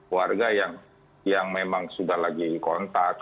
warga yang memang sudah lagi kontak